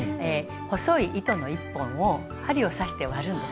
細い糸の１本を針を刺して割るんです。